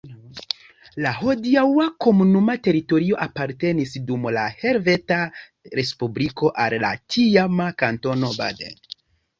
La hodiaŭa komunuma teritorio apartenis dum la Helveta Respubliko al la tiama Kantono Baden.